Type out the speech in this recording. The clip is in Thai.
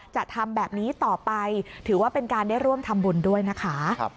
จะทำแบบนี้ต่อไปถือว่าเป็นการได้ร่วมทำบุญด้วยนะคะ